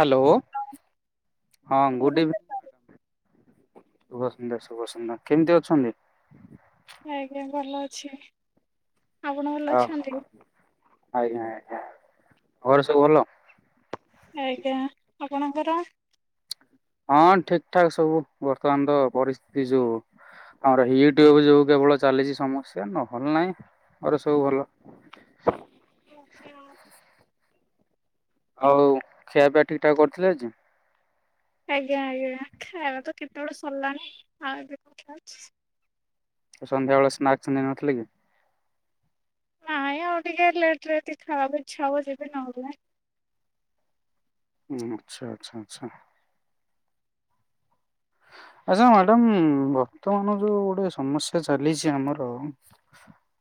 Hello ହଁ good evening Madras ସୁଭ ସୁନ୍ଦର ସୁଭ ସୁନ୍ଦର କେମିତି ଅଛନ୍ତି? ଆଜ୍ଞା ଭଲ ଅଛି। ଆପଣ ଭଲ ହ ଅଛନ୍ତି? ଆଜ୍ଞା ଆଜ୍ଞା ଘରେ ସବୁ ଭଲ। ଆଜ୍ଞା ଆପଣଙ୍କର? ହଁ ଠିକ ଠାକ ସବୁ ବର୍ତ୍ତମାନ ତ ପରିସ୍ଥିତି ଯୋଉ ଆମର ୟୁଟ୍ୟୁବ ଯୋଉ କେବଳ ଚାଲିଛି ସମସ୍ୟା ନହେଲେ ନାହିଁ ଆଉ ସବୁ ଭଲ। ଆଉ ଖିଆ ପିଆ ଠିକ ଠାକ କରିଥିଲେ ଆଜି। ଆଜ୍ଞା ଆଜ୍ଞା ଖାଇବା ତ କେତେବେଳେ ସରିଲାଣି ଆଉ ଏବେ କଥା ଅଛି। ସନ୍ଧ୍ୟାବେେଳେ ସ୍ନାକ୍ ସନ୍ନ୍ଦ ନଥିଲେ କି? ନାଇଁ ଆଉ ଟିକେ ଲେଟରେ ଯଦି ଖାଇବାକୁ ଇଚ୍ଛା ହବ ଯିବି ନହେଲେ ନାଇଁ। ହ ଆଚ୍ଛା ଆଚ୍ଛା ଆଛା। ଆଚ୍ଛା ମାଡାମ ବର୍ତ୍ତମାନ ଯୋଉ ଗୋଟେ ସମସ୍ୟା ଚାଲିଛି ଆମର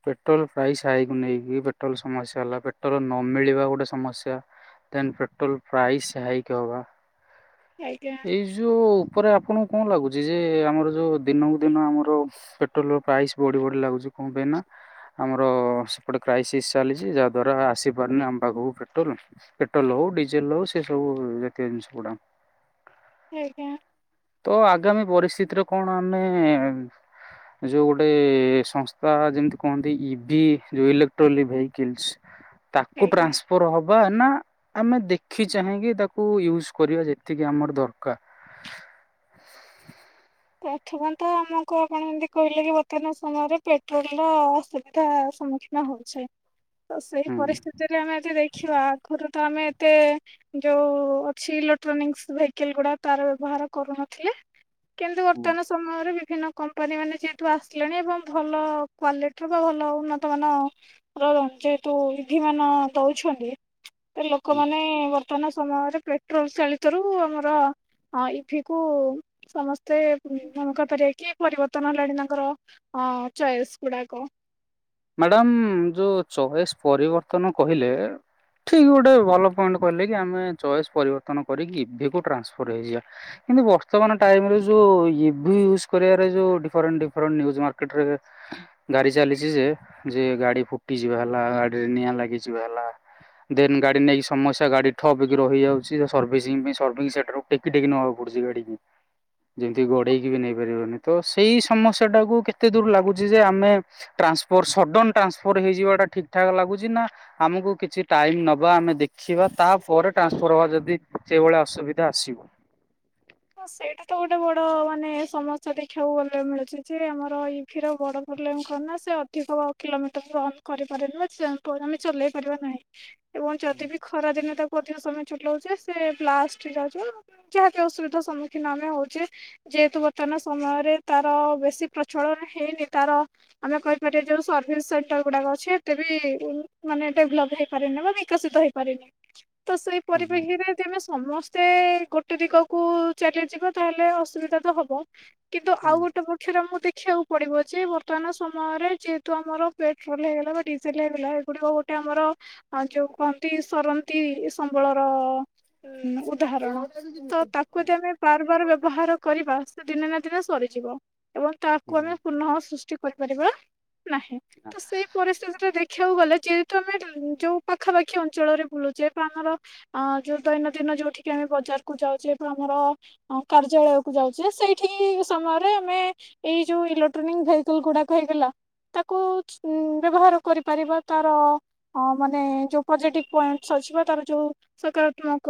ପେଟ୍ରୋଲ ପ୍ରାଇସ୍ ହାଇକ ନେଇକି ପେଟ୍ରୋଲ ସମସ୍ୟା ହେଲା ପେଟ୍ରୋଲ ନ ମିଳିବା ଗୋଟେ ସମସ୍ୟା ଦେ ପେଟ୍ରୋଲ ପ୍ରାଇସ୍ ହାଇକ ହବା। ଆଜ୍ଞା। ଏଇ ଯୋଉ ଉପରେ ଆପଣଙ୍କୁ କଣ ଲାଗୁଛି ଯେ ଆମର ଯୋଉ ଦିନକୁ ଦିନ ଆମର ପେଟ୍ରୋଲର ପ୍ରାଇସ୍ ବଢି ବଢି ଲାଗୁଛି କଣ ପାଇଁ ନା ଆମର ସେପଟେ କ୍ରାଇସିସ୍ ଚାଲିଛି ଯାହା ଦ୍ଵାରା ଆସିପାରୁନି ଆମ ପାଖକୁ ପେଟ୍ରୋଲ ପେଟ୍ରୋଲ ହଉ ଡିଜେଲ ହଉ ସେ ସବୁ ଜାତୀୟ ଜିନିଷ ଗୁଡା। ଆଜ୍ଞା ତ ଆଗାମୀ ପରିସ୍ଥିତିରେ କଣ ଆମେ ଯୋଉ ଗୋଟେ ସଂସ୍ଥା ଯେମିତି କହନ୍ତି ଇଭି ଯୋଉ ଇଲେକ୍ଟ୍ରୋନ ଭେଇକିଲସ। ତାକୁ ଆଜ୍ଞା। ଟ୍ରାନ୍ସଫର୍ ହବା ନା ଆମେ ଦେଖି ଚାହିଁକି ତାକୁ ୟୁଜ କରିବା ଯେତିକି ଆମର ଦରକାର। [inaudible] ପ୍ରଥମ ତ ଆମକୁ ଆପଣ ଏମିତି କହିଲେ କି ବର୍ତ୍ତମାନ ସମୟରେ ପେଟ୍ରୋଲ ର ଅସୁବିଧା ସମ୍ମୁଖୀନ ହଉଛେ। ତ ସେଇ ହୁଁ। ପରିସ୍ଥିତିରେ ଆମେ ଯଦି ଦେଖିବା ଆଗରୁ ତ ଆମେ ଏତେ ଯୋଉ ଅଛି ଇଲେକ୍ଟ୍ରୋନିକ୍ସ ଭେିକଲ ଗୁଡା ତାର ବ୍ୟବହାର କରୁନଥିଲେ। କିନ୍ତୁ ହୁଁ ବର୍ତ୍ତମାନ ସମୟରେ ବିଭିନ୍ନ କମ୍ପାନୀ ମାନେ ଯେହେତୁ ଆସିଲେଣି ଏବଂ ଭଲ କ୍ୱଲିଟିର ବା ଭଲ ଉନ୍ନତମାନର ଯେହେତୁ ଇଭି ମାନ ଦେଉଛନ୍ତି। ସେ ହୁଁ। ଲୋକମାନେ ବର୍ତ୍ତମାନ ପୂତନ ସମୟରେ ପେଟ୍ରୋଲ ଚାଳିତ ର ଆମର ଇଭିି କୁ ସମସ୍ତ ମତେ ମନେ କହିପାରିବା କିଏ ପରିବର୍ତ୍ତନ ହେଲାଣି ତାଙ୍କର ଅ ଚଏସ୍ ଗୁଡାକ। ମାଡ଼ାମ ଯୋଉ ଚଏସ୍ ପରିବର୍ତ୍ତନ କହିଲେ ଠିକ ଗୋଟେ ଭଲ ପଏଣ୍ଟ କହିଲେ କି ଆମେ ଚଏସ୍ ପରିବର୍ତ୍ତନ କରିକି ଇଭିିକୁ ଟ୍ରାନ୍ସଫର୍ ହେଇଯିବା କିନ୍ତୁ ବର୍ତ୍ତମାନ ଟାଇମରେ ଯୋଉ ଇଭି ୟୁଜ୍ କରିବାରେ ଯେଉଁ ଡିଫରେଣ୍ଟ ଡିଫରେଣ୍ଟ ନିଉଜ୍ ମାର୍କେଟରେ ଗାଡ଼ି ଚାଲିଛି ଯେ ଯେ ଗାଡି ଫୁଟିଯିବା ହେଲା ଗାଡିରେ ନିଆଁ ଲାଗିଯିବା ହେଲା ଦେନ ଗାଡି ନେଇକି ସମସ୍ୟା ଗାଡି ଠପକି ରହିଯାଉଛି ସର୍ସି ପାଇଁ ସ ସେଠାରୁ ଟେକି ଟେକି ନବାକୁ ପଡୁଛି ଗାଡିିକ ଯେମିତି ଗଡେଇକି ବି ନେଇ ପାରିବନି ତ ସେଇ ସମସ୍ୟା ଟାକୁ କେତେ ଦୂର ଲାଗୁଛି ଯେ ଆମେ ଟ୍ରାନ୍ସ ସଡ଼ନ ଟ୍ରାନ୍ସଫର୍ ହେଇଯିବାଟା ଠିକ୍ ଠାକ୍ ଲାଗୁଛି ନା ଆମକୁ କିଛି ଟାଇମ ନବା ଆମେ ଦେଖିବା ତାପରେ ଟ୍ରାନ୍ସଫର୍ ହବା ଯଦି ସେଭଳିଆ ଅସୁବିଧା ଆସିବ। ସେଇଟା ତ ଗୋଟେ ବଡ ମାନେ ସମସ୍ୟା ଦେଖିବାକୁ ଗଲେ ମିଳୁଛି ଯେ ଆମର ଇଭିିର ବଡ ପ୍ରୋବ୍ଲେମ କଣ ନା ସେ ଅଧିକ କିଲୋମିଟର ରନ୍ କରିପାରେନି ଆମେ ଚଲେଇ ପାରିବା ନାହିଁ। ଏବଂ ଯଦି ବିି ଖରାଦିନେ ତା ଅଧିକ ସମୟ ଚୁଟ ହଉଛି ସେ ବ୍ଲାଷ୍ଟ ହେଇ ଯାଉ ଯାହାକି ଅସୁବିଧା ସମ୍ମୁଖୀନ ଆମେ ହଉଛେ ଯେହେତୁ ବର୍ତ୍ତମାନ ସମୟରେ ତାର ବେଶୀ ପ୍ରଚଳନ ହେଇନି ତାର ଆମେ କହିପାରିବା ଯୋଉ ସର୍ଭିସ ସେଣ୍ଟର ଗୁଡାକ ଅଛି ଏତେ ବି ମାନେ ଡେଭଲପ ହେଇପାରନି ବା ବିକଶିତ ହେଇପାରନି। ତ ସେଇ ହୁଁ ହୁଁ। ପରିପ୍ରେକ୍ଷୀରେ ଯେମେ ସମସ୍ତେ ଗୋଟେ ଦ କ କୁ ଚାଲିଯିବ ତାହେଲେ ଅସୁବିଧା ତ ହବ। କିନ୍ତୁ ଆଉ ଗୋଟେ ପକ୍ଷରେ ମୁଁ ଦେଖି ଦେଖିବାକୁ ପଡିବ ଯେ ବର୍ତ୍ତମାନ ସମୟରେ ଯେହେତୁ ଆମର ପେଟ୍ରୋଲ ହେଇଗଲା ବା ଡିଜେଲ ହେଇଗଲା ଏଗୁଡିକ ଗୋଟେ ଆମର ଯୋଉ କହନ୍ତି ସରନ୍ତି ସମ୍ବଳର ହୁଁ ଉଦାହରଣ ତ ହୁଁ। ଯଦି ଆମେ ବାରବାର ବ୍ୟବହାର କରିବା ସେ ଦିନେ ନା ଦିନେ ସରିଯିବ। ଏବଂ ହୁଁ ତାକୁ ଆମେ ହୁଁ ପୂର୍ଣ ହ ସୃଷ୍ଟି କରିପାରିବା। ନାହିଁ ତ ସେଇ ପରିସ୍ଥିତିରେଖ ଖେଉ ଗଲେ ଯେହେତୁ ଆମେ ଯୋଉ ପାଖାପାଖି ଅଞ୍ଚଳରେ ବୁଲୁଛେ ବା ଆମର ଯୋଉ ଦୈନନ୍ଦିନ ଯୋଉଠିକି ଆମେ ବଜାରକୁୁ ଯାଉଛେ ଆମର କାର୍ଯ୍ୟାଳୟକୁ ଯାଉଛେ ସେଇଠି ସମୟରେ ଆମେ ଏଇ ଯେଉଁ ଇଲେକ୍ଟ୍ରୋନିକ୍ ଭେକଲ ଗୁଡ଼ାକ ହେଇଗଲା ତାକୁ ବ୍ୟବହାର କରିପାରିବା ତାର ମାନେ ଯେଉ ପଜିଟିଭ୍ ପଏଣ୍ଟସ୍ ଅଛି ବା ତାର ଯେଉ ସକାରାତ୍ମକ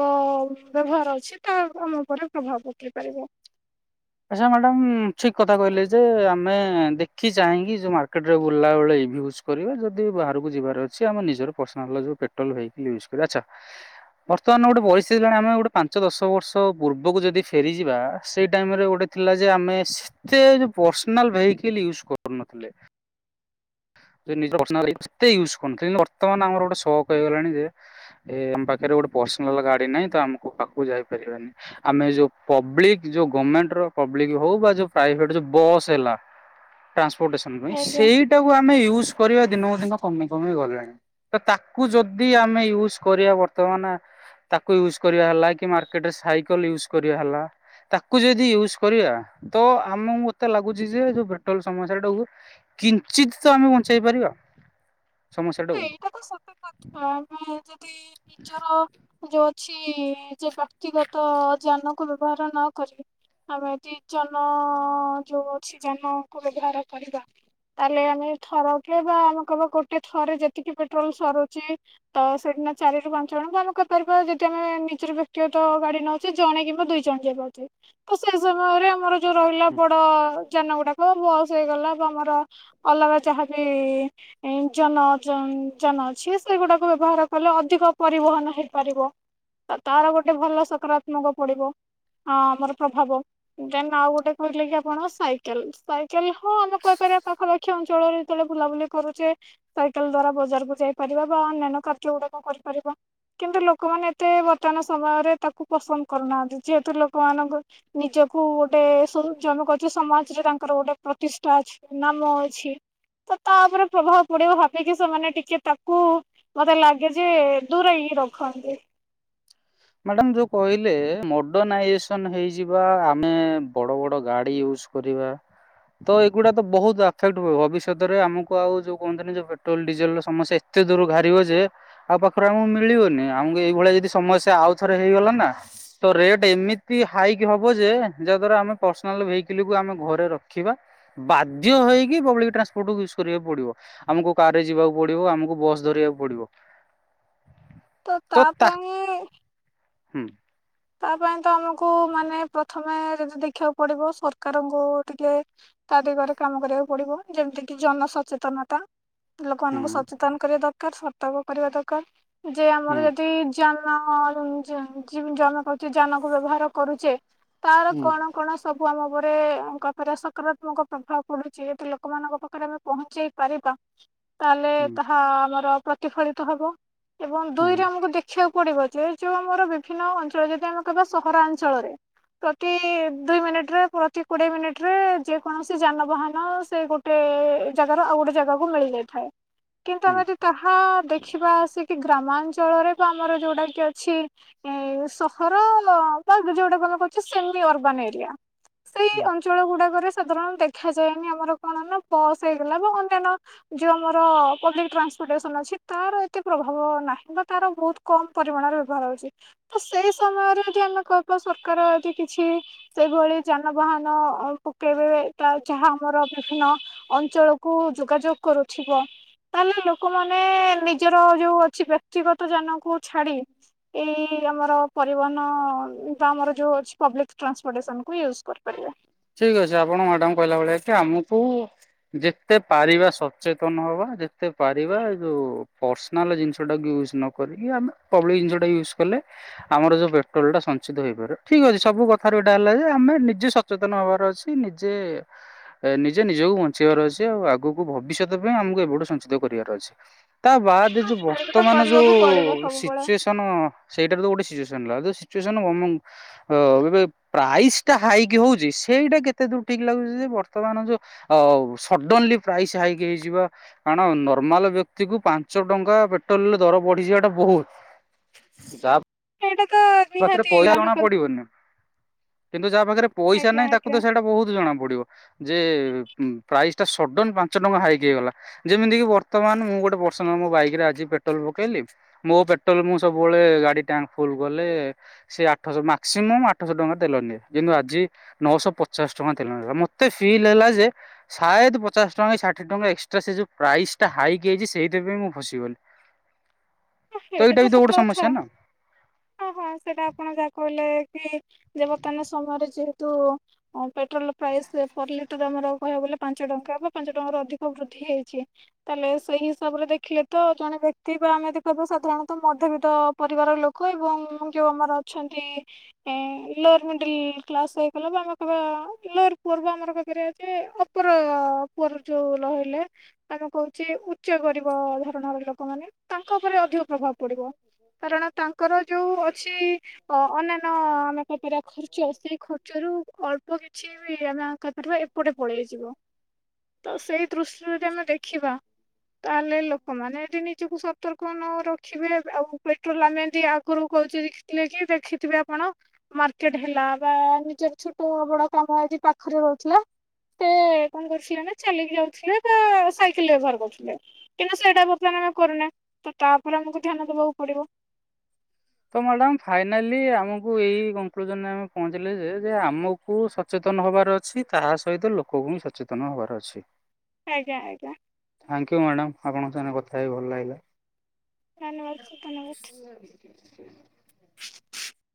ବ୍ୟବହାର ଅଛି ତା ଆମ ଉପରେ ପ୍ରଭାବ ପକେଇ ପାରିବ। ଆଚ୍ଛା ମ୍ୟାଡ଼ାାମ ଠିକ କଥା କହିଲେ ଯେ ଆମେ ଦେଖି ଚାହିଁକି ଯଉ ମାର୍କେଟରେ ବୁଲିଲା ବେଳେ ଏ ୟୁଜ୍ କରିବା ଯଦି ବାହାରକୁ ଯିବାର ଅଛି ଆମେ ନିଜର ପର୍ସନାଲ ଯଉ ପେଟ୍ରୋଲ ଭେକିଲ ୟୁଜ୍ କରିବା। ଆଚ୍ଛା ବର୍ତ୍ତମାନ ଗୋଟେ ପରିସ୍ଥିତିଲାଣି ଆମେ ଗୋଟେ ପାଞ୍ଚ ଦଶ ବର୍ଷ ପୂର୍ବକୁ ଯଦି ଫେରିଯିବା ସେଇ ଟାଇମ ରେ ଗଟେ ଗୋଟେ ଥିଲା ଯେ ଆମେ ସେତେ ପର୍ସନାଲ ଭେଇକିଲ ୟୁଜ କରୁନଥିଲେ। ଉ ନିଜ କେତେ ୟୁଜ୍ କରୁ କିନ୍ତୁ ବର୍ତ୍ତମାନ ଆମର ଗୋଟେ ସକ ହେଇଗଲାଣି ଯେ ଏ ଆମ ପାଖରେ ଗୋଟେ ପର୍ସନାଲ ଗାଡି ନାହିଁ ତ ଆମକୁ ପାହାକୁ ଯାଇପାରିବାନି। ଆମେ ଯୋଉ ପବ୍ଲିକ ଯୋଉ ଗଭର୍ଣ୍ଣମେଣ୍ଟର ପବ୍ଲିକ ହଉ ବା ଯୋ ପ୍ରାଇଭେଟ ଯଉ ବସ୍ ହେଲା ଟା ପ୍ରୋଟସନ ପାଇଁ ଆଜ୍ଞା। ସେଇ ଆମେ ୟୁଜ କରିବା ଦିନକୁ ଦିନ କମି କମି ଗଲେଣି। ତ ତାକୁ ଯଦି ଆମେ ୟୁଜ କରିବା ବର୍ତ୍ତମାନ ତାକୁ ୟୁଜ କରିବା ହେଲା କି ମାର୍କେଟରେ ସାଇକେଲ ୟୁଜ କରିବା ହେଲା ତାକୁ ଯଦି ୟୁଜ କରିବା ତ ଆମକୁ ମତେ ଲାଗୁଛି ଯେ ଯୋଉ ପେଟ୍ରୋଲ ସମସ୍ୟା ଟାକୁ ଉଚିତ ତ ଆମେ ବଞ୍ଚାଇ ପାରିବା। ହ ସମସ୍ୟାଟାକୁ। ଏଇଟା ତ ସତ କଥା ଆମେ ଯଦି ନିଜର ଯୋଉ ଅଛି ଯେ ବ୍ୟକ୍ତିଗତ ଯାନକୁ ବ୍ୟବହାର ନକରି ଆମେ ଯଦି ଜନ ଯୋଉ ଅଛି ଯାନକୁ ବ୍ୟବହାର କରିବା ତାହେଲେ ଆମେ ଥରକ ବା ଆମେ କହବା ଗୋଟେ ଥରେ ଯେତିକି ପେଟ୍ରୋଲ ସରୁଛି ତ ସେଠିନା ଚାରି ରୁ ପାଞ୍ଚ ଜଣଙ୍କୁ ଆମେ କହିପାରିବା ଯଦି ଆମେ ନିଜର ବ୍ୟକ୍ତିଗତ ଗାଡି ନଉଛେ ଜଣେ କିମ୍ବା ଦୁଇ ଜଣ ଯିବା ଉଚିତ୍ ତ ସେ ସମୟରେ ଆମର ଯୋଉ ରହିଲା ବଡ ଯାନ ଗୁଡାକ ହଁ ବସ୍ ହେଇଗଲା ଆମର ଅଲଗା ଯାହାବି ଜନ ଜନ ଅଛି ସେଗୁଡାକୁ ବ୍ୟବହାର କଲେ ଅଧିକ ପରିବହନ ହେଇପାରିବ। ତାର ଗୋଟେ ଭଲ ସକାରାତ୍ମକ ପଡିବ ଆମର ପ୍ରଭାବ। ଦେନ ଆଉ ଗୋଟେ କହିଲେ କି ଆପଣ ସାଇକେଲ ସାଇକେଲ ହଁ ଆମେ କହିପାରିବା ପାଖାପାଖି ଅଞ୍ଚଳରେ ଯେତେବେଳେ ବୁଲାବୁଲି କରୁଛେ ସାଇକେଲ ଦ୍ଵାରା ବଜାରକୁ ଯାଇପାରିବା ବା ଅନ୍ୟାନ୍ୟ କାର୍ଯ୍ୟ ଗୁଡାକ କରିପାରିବା। କିନ୍ତୁ ଲୋକମାନେ ଏତେ ବର୍ତ୍ତମାନ ସମୟରେ ତାକୁ ପସନ୍ଦ କରୁନାହାନ୍ତି। ଯେହେତୁ ଲୋକମାନଙ୍କ ନିଜକୁ ଗୋଟେ ସ ଜମକ ଅଛି ସମାଜରେ ତାଙ୍କର ଗୋଟେ ପ୍ରତିଷ୍ଠା ଅଛି ନାମ ଅଛି ତ ତା ଉପରେ ପ୍ରଭାବ ପଡିବ ଭାବିକି ସେମାନେ ଟିକେ ତାକୁ ମତେ ଲାଗେ ଯେ ଦୂରେଇକି ରଖନ୍ତି। ମ୍ୟାଡାମ ଯୋଉ କହିଲେ ମଡର୍ଣାଇଜେସନ ହେଇଯିବା ଆମେ ବଡ ବଡ ଗାଡି ୟୁଜ କରିବା ତ ଏଗୁଡା ତ ବହୁତ ଏଫେକ୍ଟ ହ ଭବିଷ୍ୟତରେ ଆମକୁ ଆଉ ଯୋଉ କୁହନ୍ତିନି ଯୋଉ ପେଟ୍ରୋଲ ଡିଜେଲ ର ସମସ୍ୟା ଏତେ ଦୂର ଘାରିବ ଯେ ଆଉ ପାଖରେ ଆମକୁ ମିଳିବନି ଆମକୁ ଏଇଭଳିଆ ଯଦି ସମସ୍ୟ ଆଉ ଥରେ ହେଇଗଲା ନା ତ ରେଟ ଏମିତି ହାଇକ ହବ ଯେ ଯାହା ଦ୍ଵାରା ଆମେ ପର୍ସନାଲ ଭେକଲକୁ ଆମେ ଘରେ ରଖିବା ବାଧ୍ୟ ହେଇକି ପବ୍ଲି ଟ୍ରାନ୍ସପୋର୍ଟକୁ ୟୁଜ କରିବାକୁ ପଡିବ। ଆମକୁ କାର ରେ ଯିବାକୁ ପଡିବ ଆମକୁ ବସ୍ ଧରିବାକୁ ପଡିବ। ତ ତା ପାଇଁ ହୁଁ। ତା ପାଇଁ ତ ଆମକୁ ମାନେ ପ୍ରଥମେ ଯଦି ଦେଖିବାକୁ ପଡିବ ସରକାରଙ୍କୁ ଟିକେ ତା ଦିଗରେ କାମ କରିବାକୁ ପଡିବ ଯେମିତି କିି ଜନ ସଚେତନତା। ହୁଁ ଲୋକମାନଙ୍କୁ ସଚେତନ କରିବା ଦରକାର ତକ କରିବା ଦରକାର। ଯେ ହୁଁ ଆମର ଯଦି ଜ [unintelligible] ହଉଛି ଯାନ କୁ ବ୍ୟବହାର କରୁଛେ? ତାର ହୁଁ କଣ କଣ ସବୁ ଆମ [inaudible] ପରେ ସକାରାତ୍ମକ ପ୍ରଭାବ ପଡୁଛି। ଯଦି ଲୋକମାନଙ୍କ ପାଖରେ ଆମେ ପହଞ୍ଚେଇ ପାରିବା! ତାହେଲେ ହୁଁ। ତାହା ଆମର ପ୍ରତିଫଳିତ ହବ। ଏବଂ ହୁଁ ଦୁଇରେ ଆମକୁ ଦେଖିବାକୁ ପଡିବ। ଏ ଯୋଉ ଆମର ବିଭିନ୍ନ ସେ ଯଦି ଆମେ କହିବା ସହରାଞ୍ଚଳରେ! ପ୍ରତି ଦୁଇ ମିନିଟରେ ପ୍ରତି କୋଡ଼ିଏ ମିନିଟରେ ଯେକୌଣସି ଯାନବାହାନ ସେ ଗୋଟେ ଜାଗାରୁ ଆଉ ଗୋଟେ ଜାଗାକୁ ମିଳିଯାଇଥାଏ। ତ କିନ୍ତୁ ହୁଁ ଆମେ ଯଦି ତାହା ଦେଖିବା ଆସି କି ଗ୍ରାମାଞ୍ଚଳରେ ବା ଆମର ଯୋଉଟା କି ଅଛି ସ ଘର ଯୋଉଟା [inaudible] କହୁଛ ସେମି ଅର୍ବନ୍ ଏରିଆ ସେଇ ହୁଁ ଅଞ୍ଚଳ ଗୁଡାକରେ ସାଧାରଣଃ ଦେଖାଯାଏନି ଆମର କଣ ନା ବସ୍ ହେଇଗଲା ବା ଅନ୍ୟାନ୍ୟ ଯେଉଁ ଆମର ପବ୍ଲିକ ଟ୍ରାନ୍ସପୋର୍ଟେସନ୍ ଅଛି ତାର ଏତେ ପ୍ରଭାବ ନାହିଁ ବା ତାର ବହୁତ କମ୍ ପରିମାଣରେ ବ୍ୟବହାର ହେଉଛି ତ ସେଇ ସମୟରେ ଯଦି ଆମେ କହିବା ସରକାର ଯଦି କିଛି ସେଇଭଳି ଯାନବାହାନ ପକାଇବେ, ତା ଯାହା ଆମର ବିଭିନ୍ନ ଅଞ୍ଚଳକୁ ଯୋଗାଯୋଗ କରୁଥିବ। ତାହେଲେ ଲୋକମାନେ ନିଜର ଯେଉ ଅଛି ବ୍ୟକ୍ତିଗତ ଯାନକୁ ଛାଡ଼ି ଏଇ ଆମର ପରିବହନ ବା ଆମର ଯୋଉ ଅଛି ପବ୍ଲିକ ଟ୍ରାନ୍ସପୋଟେସନକୁୁ ୟୁଜ କରିପାରିବା। ଠିକ ଅଛି ଆପଣ ମ୍ୟାଡାମ କହିଲା ଭଳିଆ କି ଆମକୁ ଯେତେ ପାରିବା ସଚେତନ ହବା ଯେତେ ପାରିବା ଯୋଉ ପର୍ସନାଲ ଜିନିଷଟାକୁ ୟୁଜ ନ କରିକି ଆ ପବ୍ଲିକ ଜିନିଷଟା ୟୁଜ କଲେ ଆମର ଯୋଉ ପେଟ୍ରୋଲ ଟା ସଞ୍ଚିତ ହେଇପାରିବ ଠିକ ଅଛି ସବୁ କଥାରୁ ଏଇଟା ହେଲା ଯେ ଆମେ ନିଜେ ସଚେତନ ହବାର ଅଛି। ନିଜେ ନିଜେ ନିଜକୁ ବଞ୍ଚେଇବାର ଅଛି। ଆଉ ଆଗକୁ ଭବିଷ୍ୟତ ପାଇଁ ଆମକୁ ଏବେଠୁ ସଞ୍ଚିତ କରିବାର ଅଛି। ତା ବାଦ ଯୋଉ ସେଇଟା ତ ବର୍ତ୍ତମାନ ଯୋଉ କରିବାକୁ ପଡିବ ସବୁବେଳେ ସିଚୁଏସନ ସେଇଟା ତ ଗୋଟେ ସିଚୁଏ ଜାଣିଲ। ଆଉ ଯୋଉ ସିଚୁଏସନ [inaudible] ଏ ପ୍ରାଇସ୍ ଟା ହାଇକି ହଉଛି ସେଇଟା କେତେ ଦୂର ଠିକ ଲାଗୁଛି ଯେ ବର୍ତ୍ତମାନ ଯୋଉ ସଡନ୍ଲି ପ୍ରାଇସ୍ ହାଇକ୍ ହେଇଯିବା କାରଣ ନର୍ମାଲ ବ୍ୟକ୍ତି କୁ ପାଞ୍ଚ ଟଙ୍କାରେ ପେଟ୍ରୋଲ ଦର ବଢିଯିବାଟା ବୋହୁତ। ସେଇଟା ତ ପାଖରେ ନିହାତି ପଇସା ଆମେ ଜଣା ପଡିବନି। କିନ୍ତୁ ଯାହା ପାଖରେ ପଇସା ଆଜ୍ଞା ନାହିଁ ତାକୁ ଆଜ୍ଞା ତ ସେଇଟା ବହୁତ ଜଣା ପଡିବ। ଯେ ପ୍ରାଇସ୍ ଟା ସଡ଼ନ ପାଞ୍ଚ ଟଙ୍କା ହାଇକ୍ ହେଇଗଲା। ଯେମିତିକି ବର୍ତ୍ତମାନ ମୁଁ ଗୋଟେ ପର୍ସନାଲ ମୋ ବାଇକରେ ଆଜି ପେଟ୍ରୋଲ ପକେଇଲି ମୋ ପେଟ୍ରୋଲ ମୁଁ ସବୁବେଳେ ଗାଡି ଟ୍ୟାଙ୍କ ଫୁଲ କଲେ ସେ ଆଠଶ ମାକ୍ସିମମ୍ ଆଠଶହ ଟଙ୍କା ତେଲ ନିଏ। କିନ୍ତୁ ଆଜି ନଅଶହ ପଚାଶ ଟଙ୍କା ତେଲ ନେଲା। ମତେ ଫିଲ୍ ହେଲା ଯେ ସାୟଦ ପଚାଶ ଟଙ୍କା କି ଷାଠିଏ ଟଙ୍କା ଏକ୍ସ୍ଟ୍ରା ସେ ଯୋଉ ପ୍ରାଇସ ଟା ହାଇକି ହେଇଛି ସେଇଥିପାଇଁ ମୁଁ ଫସିଗଲି। ସେଇଟା ଏଇଟା ବି ତ ଗୋଟେ ସତ କଥା ସମସ୍ୟା ନା। ଅହ ସେଟା ଆପଣ ଯାହା କହିଲେ କି? ଯେ ବର୍ତ୍ତମାନ ସମୟରେ ଯେହେତୁ ପେଟ୍ରୋଲ ପ୍ରାଇସ ପର ଲିଟର ଆମର କହିବାକୁ ଗଲେ ପାଞ୍ଚ ଟଙ୍କା ବା ପାଞ୍ଚ ଟଙ୍କାରୁ ଅଧିକ ବୃଦ୍ଧି ହେଇଛି। ତାହେଲେ ସେଇ ହିସାବରେ ଦେଖିଲେ ତ ଜଣେ ବ୍ୟକ୍ତି ବା ଆମେ ଯଦି କହିବା ସାଧାରଣତଃ ମଧ୍ୟବିତ୍ତ ପରିବାର ଲୋକ ଏବଂ ଯୋଉ ଆମର ଅଛନ୍ତି ଏ ଲୋଅର ମିଡିଲ୍ କ୍ଲାସ ହେଇଗଲା ବା ଆମେ କହିବା ଲୋଅର ପୁଅର ବା ଆମର କହିପାରିବା ଯେ ଅପର ପୁଅର ଯୋଉ ରହିଲେ, ଆମେ କହୁଛେ ଉଚ୍ଚ ଗରିବ ଧରଣର ଲୋକମାନେ। ତା ଲୋକ ଉପରେ ଅଧିକ ପ୍ରଭାବ ପଡିବ। କାରଣ ତାଙ୍କର ଯୋଉ ଅଛି ଅନ୍ୟାନ୍ୟ ଆମେ କପରା ଖର୍ଚ୍ଚ? ସେଇ ଖର୍ଚ୍ଚରୁ ଅଳ୍ପ କିଛି ବି ଆମେ କହିପରିବା ଏପଟେ ପଳେଇଯିବ। ତ ସେଇ ଦୃଷ୍ଟିରୁ ଯଦି ଆମେ ଦେଖିବା ତାହେଲେ ଲୋକମାନେ ଯଦି ନିଜକୁ ସ ଉତ୍ତର କଣ ଆଉ ରଖିବେ ଆଉ ପେଟ୍ରୋଲ ଆମେ ଯେମିତି ଆଗରୁ କହୁଛେ ଦେଖିଥିଲେ କି ଦେଖିଥିବେ ଆପଣ? ମାର୍କେଟ ହେଲା ବା ନିଜର ଛୋଟ ବଡ କାମ ଆଜି ପାଖରେ ରହୁଥିଲା। ସେ କଣ କରୁଥିଲେ ନା ଚାଲିକି ଯାଉଥିଲେ ବା ସାଇକେଲ ବ୍ୟବହାର କରୁଥିଲେ। କିନ୍ତୁ ସେଇଟା ବର୍ତ୍ତମାନ ଆମେ କରୁନା। ତ ତାଉପରେ ଆମକୁ ଧ୍ୟାନ ଦବାକୁ ପଡିବ। ତ ମ୍ୟାଡାମ ଫାଇନାଲି ଆମକୁ ଏଇ କନକ୍ଲୁଜନରେ ଆମେ ପହଞ୍ଚିଲେ ଯେ ଆମକୁ ସଚେତନ ହବାର ଅଛି। ତାହା ସହିତ ଲୋକଙ୍କୁ ବି ସଚେତନ ହବାର ଅଛି। ଆଜ୍ଞା ଆଜ୍ଞା। Thank you madam. ଆପଣଙ୍କ ସାଙ୍ଗରେ କଥା ହେଇ ଭଲ ଲାଗିଲା। [inaudible] ଆ